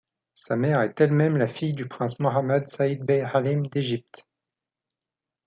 Sa mère est elle-même la fille du prince Muhammad Said Bey Halim d'Égypte.